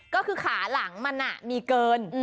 ก็คือขาหลังมันมีเกิน